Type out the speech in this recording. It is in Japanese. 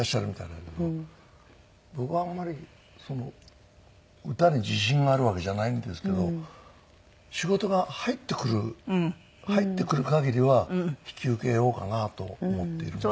僕はあんまり歌に自信があるわけじゃないんですけど仕事が入ってくる入ってくる限りは引き受けようかなと思っているので。